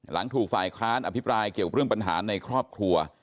หลังถูกฝ่ายค้านอภิปรายเกี่ยวเรื่องปัญหาในครอบครัว